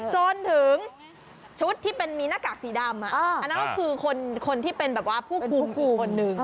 จนถึงชุดที่มีหน้ากากสีดำอันนั้นก็คือคนที่เป็นผู้คุมอีกคนนึง